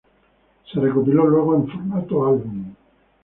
Se recopiló luego en formato álbum.